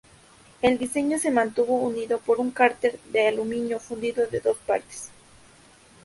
El diseño se mantuvo unido por un cárter de aluminio fundido de dos partes.